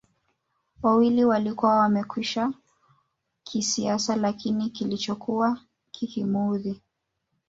wawili walikuwa wamekwisha kisiasa Lakini kilichokuwa kikimuudhi